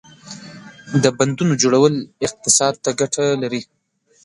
• د بندونو جوړول اقتصاد ته ګټه لري.